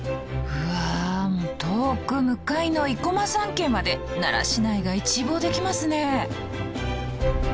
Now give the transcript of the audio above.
うわ遠く向かいの生駒山系まで奈良市内が一望できますね。